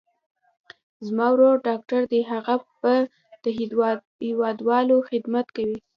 زما ورور ډاکټر دي، هغه به د هېوادوالو خدمت کوي.